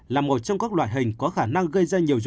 là một trong các loại hình có khả năng gây ra nhiều rủi ro